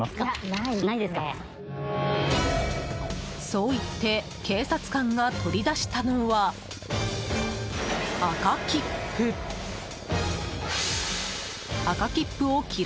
そう言って警察官が取り出したのは、赤切符。